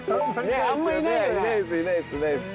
あんまりいないです。